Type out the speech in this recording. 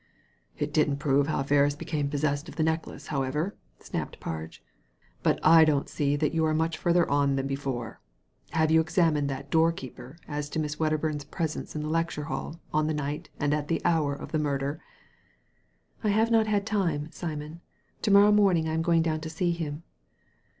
" It didn't prove how Ferris became possessed of the necklace, however," snapped Parge. " But I don't see that you are much further on than before. Have you examined that doorkeeper as to Miss Wcdder burn's presence in the lecture hall on the night and at the hour of the murder ?"" I have not had time, Simon. To morrow morn ing I am going down to see him."